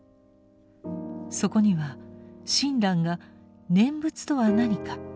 そこには親鸞が「念仏とは何か」